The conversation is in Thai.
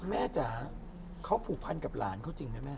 จ๋าเขาผูกพันกับหลานเขาจริงไหมแม่